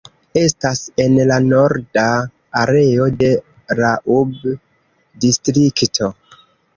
Estas en la norda areo de Raub-distrikto.